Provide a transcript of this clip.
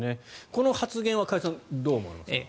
この発言は加谷さん、どう思われますか？